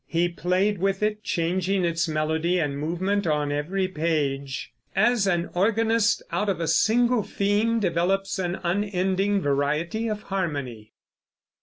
He played with it, changing its melody and movement on every page, "as an organist out of a single theme develops an unending variety of harmony."